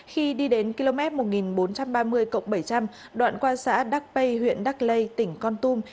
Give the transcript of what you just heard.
khi đi đến km một nghìn bốn trăm ba mươi bảy trăm linh đoạn qua xã đắc lây huyện đắc lây tỉnh con tum